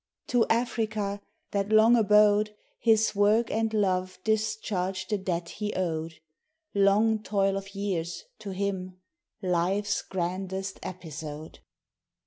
To Africa that long abode, His work and love discharged the debt he owed; Long toil of years to him Life's grandest Episode.